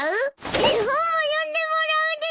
絵本も読んでもらうです！